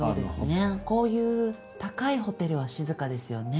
こういう高いホテルは静かですよね。